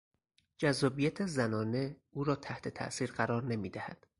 جذابیت زنانه او را تحت تاثیر قرار نمیدهد.